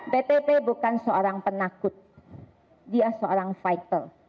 ptp bukan seorang penakut dia seorang fighter